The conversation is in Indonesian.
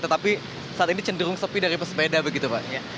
tetapi saat ini cenderung sepi dari pesepeda begitu pak